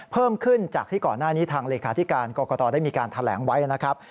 เพิ่มขึ้นจากที่ก่อนหน้านี้ทางเลขาธิการกรกตได้มีการแถลงไว้นะครับ